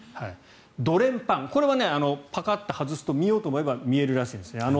ドレンパン、これはパカッと外すと見ようと思えば見えるらしいんです。